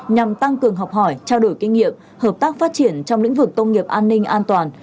nhằm tăng cường học hỏi trao đổi kinh nghiệm hợp tác phát triển trong lĩnh vực công nghiệp an ninh an toàn